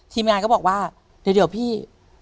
ทีมงานก็บอกว่าเดี๋ยวพี่